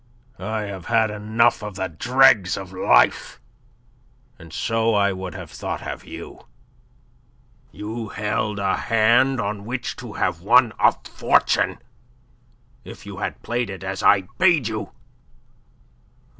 "I have had enough of the dregs of life, and so I should have thought have you. You held a hand on which to have won a fortune if you had played it as I bade you.